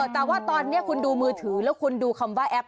แต่ว่าตอนนี้คุณดูมือถือแล้วคุณดูคำว่าแอป